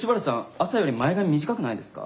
朝より前髪短くないですか？